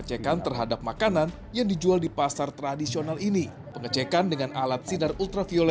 lima sampel makanan yang diperiksa lima sampel mengandung zat berbahaya